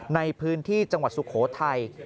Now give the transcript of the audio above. ในพื้นที่จังหวัดสุโขทัย